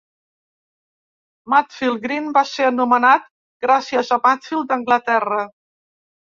Matfield Green va ser anomenat gràcies a Matfield, d'Anglaterra.